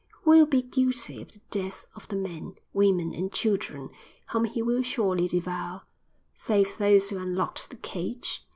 Who will be guilty of the deaths of the men, women and children whom he will surely devour, save those who unlocked the cage?"